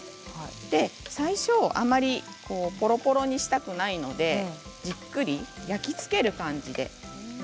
最初、あまりぽろぽろにしたくないのでじっくり焼き付ける感じで。